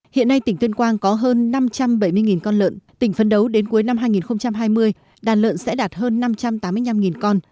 hiện nay tỉnh tuyên quang có hơn năm trăm bảy mươi con lợn tỉnh phấn đấu đến cuối năm hai nghìn hai mươi đàn lợn sẽ đạt hơn năm trăm tám mươi năm con